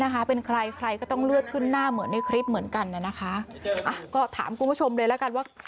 ก็ถามคุณผู้ชมเลยละกันว่า